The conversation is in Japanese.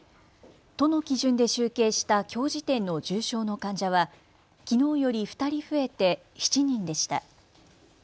都の基準で集計したきょう時点の重症の患者はきのうより２人増えて７人でした。